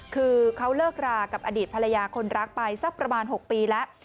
คือเขาเลิกรากับอดีตภรรยาคนรักไปสักประมาณ๖ปีแล้ว